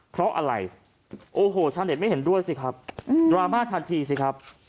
เพราะอะไรโอ้โหชาวเน็ตไม่เห็นด้วยสิครับดราม่าทันทีสิครับ